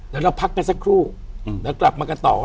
แล้วเราพักกันสักครู่แล้วกลับมากันต่อ